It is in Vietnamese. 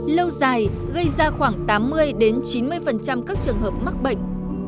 lâu dài gây ra khoảng tám mươi chín mươi các trường hợp mắc bệnh